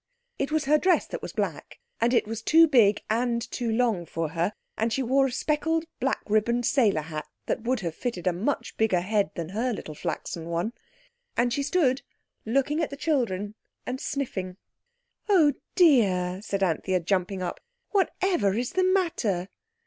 It was her dress that was black, and it was too big and too long for her, and she wore a speckled black ribboned sailor hat that would have fitted a much bigger head than her little flaxen one. And she stood looking at the children and sniffing. "Oh, dear!" said Anthea, jumping up. "Whatever is the matter?"